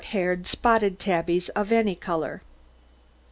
] SHORT HAIRED, SPOTTED TABBIES OF ANY COLOUR.